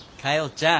ちゃん！